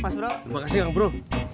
terima kasih kang bro